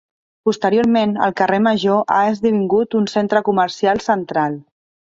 Posteriorment, el carrer major ha esdevingut un centre comercial central.